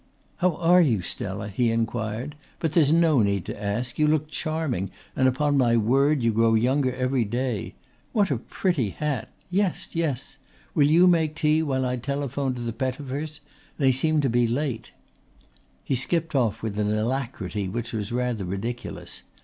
"How are you, Stella?" he inquired. "But there's no need to ask. You look charming and upon my word you grow younger every day. What a pretty hat! Yes, yes! Will you make tea while I telephone to the Pettifers? They seem to be late." He skipped off with an alacrity which was rather ridiculous.